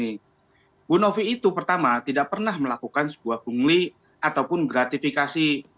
ibu novi itu pertama tidak pernah melakukan sebuah pungli ataupun gratifikasi